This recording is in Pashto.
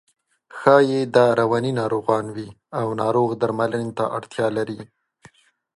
ښایي دا رواني ناروغان وي او ناروغ درملنې ته اړتیا لري.